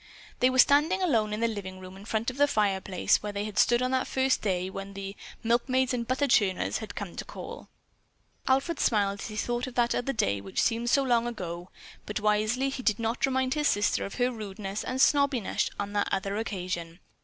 They were standing alone in the living room in front of the fireplace where they had stood on that first day when the "milkmaids and butter churners" had come to call. Alfred smiled as he thought of that other day which seemed so long ago, but wisely he did not remind his sister of her rudeness and snobbishness on that other occasion.